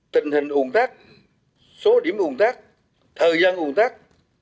tình hình un tắc số điểm un tắc thời gian un tắc